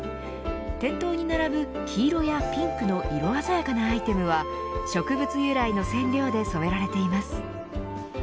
店頭に並ぶ黄色やピンクの色鮮やかなアイテムは植物由来の染料で染められています。